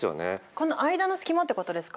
この間の隙間ってことですか？